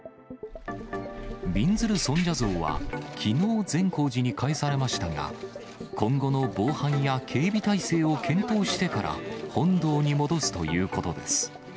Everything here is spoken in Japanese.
びんずる尊者像はきのう、善光寺に帰されましたが、今後の防犯や警備体制を検討してから、本堂に戻すということです。